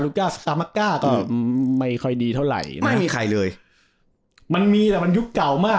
ก็อืมไม่ค่อยดีเท่าไหร่โอ้ยไม่มีใครเลยมันมีแต่มันยุคเก่ามาก